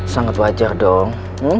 sangat wajar dong